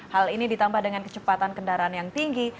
hal ini ditambah dengan kecepatan kendaraan yang tinggi